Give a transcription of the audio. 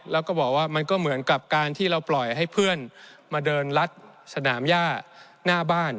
แล้วก็บอกว่ามันก็เหมือนกับการที่เราปล่อยให้เพื่อนมาเดินลัดสนามย่าหน้าบ้าน